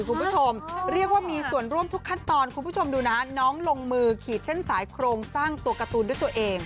คุณผู้ชมเรียกว่ามีส่วนร่วมทุกขั้นตอนคุณผู้ชมดูนะน้องลงมือขีดเส้นสายโครงสร้างตัวการ์ตูนด้วยตัวเอง